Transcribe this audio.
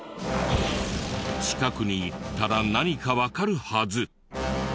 近くに行ったら何かわかるはず。